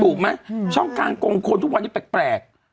ถูกไหมช่องกลางกงคนทุกวันนี้แปลก